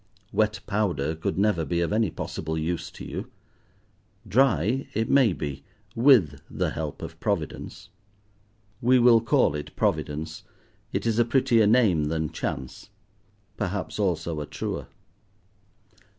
Wet powder could never be of any possible use to you. Dry, it may be, with the help of Providence. We will call it Providence, it is a prettier name than Chance—perhaps also a truer.